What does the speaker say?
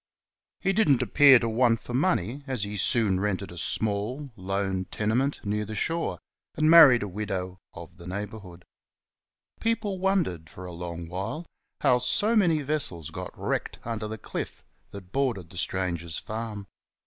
248 WEST COTTNTRY SUPERSTITIONS. Hg didn't appear to want for money as he soon rented a small, lone, tenement, near tte shore, and married a widow of the neighbourhood. People wondered, for a long while, how so many vessels got wrecked under the cliff that bordered the stranger's farm.